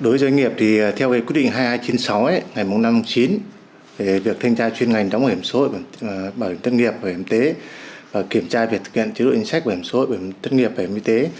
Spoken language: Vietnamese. đối với doanh nghiệp thì theo quyết định hai nghìn hai trăm chín mươi sáu ngày một trăm năm mươi chín việc thanh tra chuyên ngành đóng bảo hiểm xã hội bảo hiểm tất nghiệp bảo hiểm y tế và kiểm tra việc thực hiện chế đội hình sách bảo hiểm xã hội bảo hiểm tất nghiệp bảo hiểm y tế